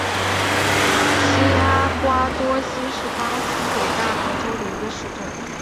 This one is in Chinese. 新阿瓜多西是巴西北大河州的一个市镇。